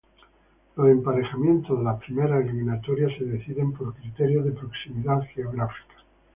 Los emparejamientos de las primeras eliminatorias se deciden por criterios de proximidad geográfica.